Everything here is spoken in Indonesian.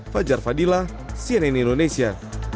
fajar fadillah cnn indonesia